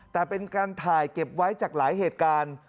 แต่เป็นการถ่ายเก็บไว้จากหลายเหตุการณ์